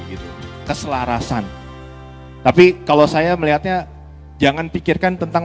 gitu keselarasan tapi kalau saya melihatnya jangan pikirkan tentang